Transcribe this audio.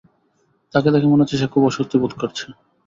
তাকে দেখে মনে হচ্ছে, সে খুব অস্বস্তি বোধ করছে।